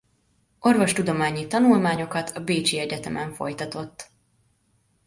Orvostudományi tanulmányokat a Bécsi Egyetemen folytatott.